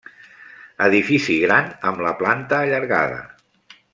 Edifici gran amb la planta allargada.